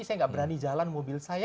saya nggak berani jalan mobil saya